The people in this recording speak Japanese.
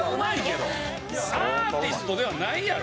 アーティストではないやろ。